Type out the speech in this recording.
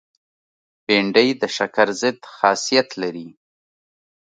بېنډۍ د شکر ضد خاصیت لري